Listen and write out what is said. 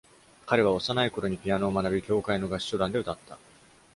彼は幼い頃にピアノを学び、教会の合唱団で歌った。